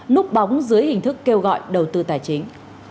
núp bóng dưới hình thức kêu gọi đầu tư tài chính